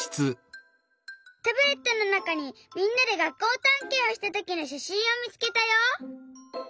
タブレットのなかにみんなで学校たんけんをしたときのしゃしんをみつけたよ。